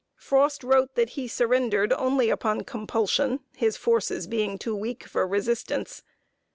Frost wrote that he surrendered only upon compulsion his forces being too weak for resistance.